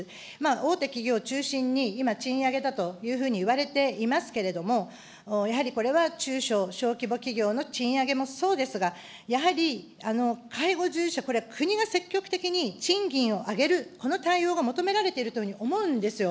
大手企業を中心に、今、賃上げだというふうにいわれていますけれども、やはりこれは中小・小規模企業の賃上げもそうですが、やはり介護事業所、国が積極的に賃金を上げる、この対応が求められているというふうに思うんですよ。